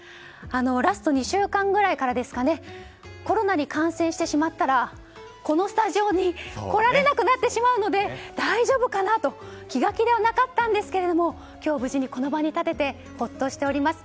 ラスト２週間ぐらいからコロナに感染してしまったらこのスタジオに来られなくなってしまうので大丈夫かなと気が気ではなかったんですが今日、無事にこの場に立ててほっとしております。